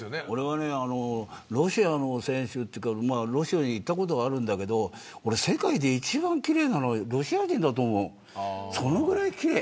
俺はね、ロシアの選手というかロシアに行ったことがあるんだけど世界で一番奇麗なのはロシア人だと思う。